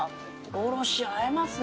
おろし、合いますね。